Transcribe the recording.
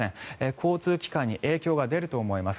交通危険に影響が出ると思います。